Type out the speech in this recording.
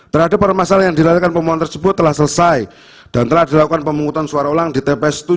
terhadap permasalahan yang dilakukan pemohon tersebut telah selesai dan telah dilakukan pemungutan suara ulang di tps tujuh